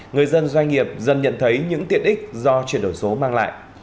người dân doanh nghiệp dần nhận thấy những tiện ích do chuyển đổi số mang lại